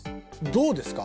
どうですか？